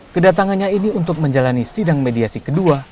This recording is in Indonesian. kedatangannya ini untuk menjalani sidang mediasi kedua